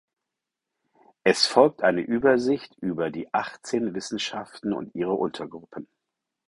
Es folgt eine Übersicht über die Achtzehn Wissenschaften und ihre Untergruppen.